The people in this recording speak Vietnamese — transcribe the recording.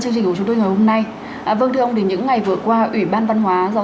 chương trình của chúng tôi ngày hôm nay vâng thưa ông thì những ngày vừa qua ủy ban văn hóa